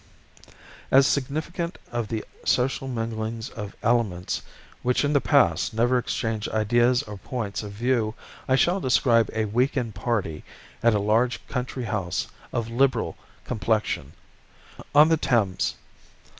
As significant of the social mingling of elements which in the past never exchanged ideas or points of view I shall describe a week end party at a large country house of Liberal complexion; on the Thames.